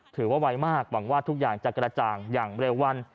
ไวมากหวังว่าทุกอย่างจะกระจ่างอย่างเร็ววัน